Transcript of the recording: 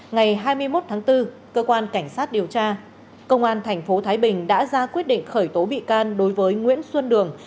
ngày hai mươi một tháng bốn cơ quan cảnh sát điều tra công an tp thái bình đã ra quyết định khởi tố bị can đối với nguyễn xuân đường